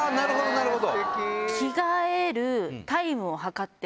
なるほど。